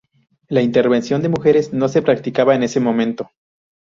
La intervención de mujeres no se practicaba en este momento.